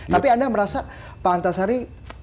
tapi anda merasa pak antasari